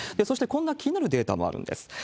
そしてこんな気になるデータもあるんです。